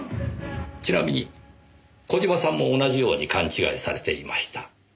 ちなみに小島さんも同じように勘違いされていました。